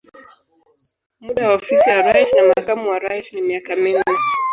Muda wa ofisi ya rais na makamu wa rais ni miaka minne.